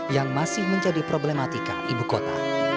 yang masih menjadi problematika ibu kota